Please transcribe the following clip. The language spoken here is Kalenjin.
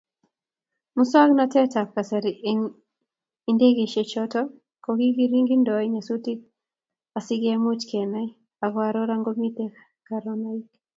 Musoknatetab kasari eng indegeisyechotok kokiringdoi nyasutiik asi kemuch kenai ak koaror angomitei karonaik.